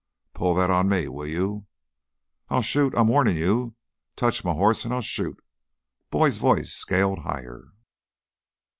"Pull that on me, will you!" "I'll shoot! I'm warnin' you ... touch m' horse, and I'll shoot!" Boyd's voice scaled higher.